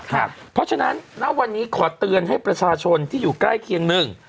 เพราะฉะนั้นณวันนี้ขอเตือนให้ประชาชนที่อยู่ใกล้เคียงหนึ่ง